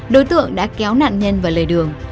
đối tượng đã kéo nạn nhân vào lề đường